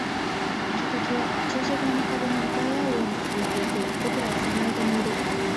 生垣は駐車場の壁に向かい合うように続いていて、僕らはその間にいる